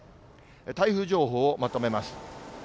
台風情報をまとめます。